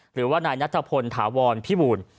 หรือว่านายนัทพลถาวรพิบูล